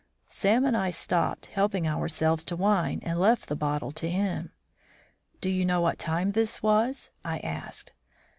Sam and I stopped helping ourselves to wine and left the bottle to him. "Do you know what time this was?" I asked.